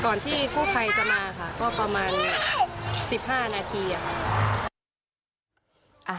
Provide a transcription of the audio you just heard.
ที่กู้ภัยจะมาค่ะก็ประมาณ๑๕นาทีค่ะ